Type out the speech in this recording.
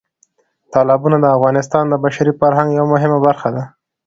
تالابونه د افغانستان د بشري فرهنګ یوه مهمه برخه ده.